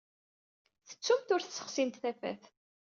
Tettumt ur tessexsimt tafat.